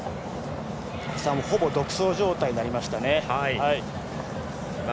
ほぼ独走状態になりました。